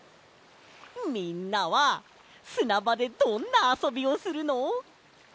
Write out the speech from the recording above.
みんなはすなばでどんなあそびをするの？